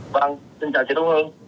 vâng xin chào chị thu hương